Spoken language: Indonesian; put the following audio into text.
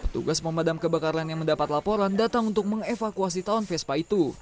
tugas memadam kebakaran yang mendapat laporan datang untuk mengevakuasi tahun vespa itu